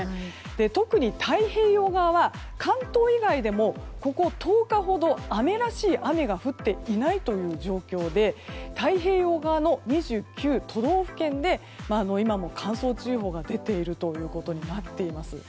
特に太平洋側は関東以外でもここ１０日ほど雨らしい雨が降っていないという状況で太平洋側の２９都道府県で今も乾燥注意報が出ているということになっています。